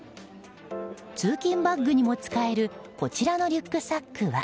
通勤バッグにも使えるこちらのリュックサックは。